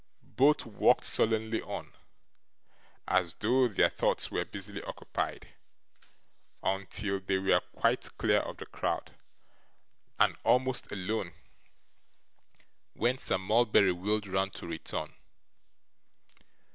Both walked sullenly on, as though their thoughts were busily occupied, until they were quite clear of the crowd, and almost alone, when Sir Mulberry wheeled round to return.